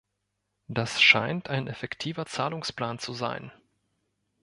Das scheint ein effektiver Zahlungsplan zu sein.